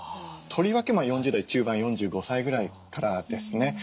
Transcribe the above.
とりわけ４０代中盤４５歳ぐらいからですね。